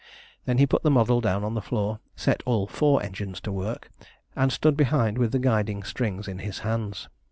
Then he put the model down on the floor, set all four engines to work, and stood behind with the guiding strings in his hands.